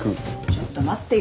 ちょっと待ってよ。